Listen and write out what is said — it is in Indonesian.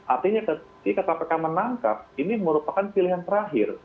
artinya ketika kpk menangkap ini merupakan pilihan terakhir